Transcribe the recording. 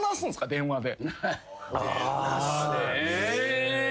電話で。